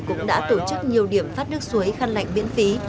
cũng đã tổ chức nhiều điểm phát nước suối khăn lạnh miễn phí